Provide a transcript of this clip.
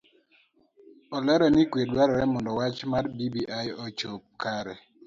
Olero ni kue dwarore mondo wach mar bbi ochop kare.